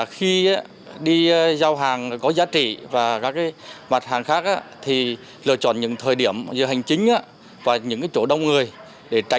khi đi giao hàng có giá trị và các công ty có giá trị và các nhân viên của các công ty và dịch vụ giao hàng online thì cần nêu cao cảnh giác